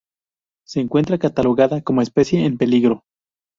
Se encuentre catalogada como especie en peligro.